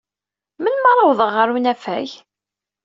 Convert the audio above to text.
Melmi ara awḍen ɣer unafag?